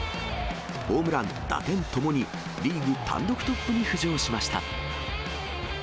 ホームラン、打点ともにリーグ単独トップに浮上しました。